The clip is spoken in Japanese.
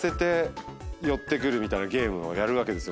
みたいなゲームをやるわけですよ。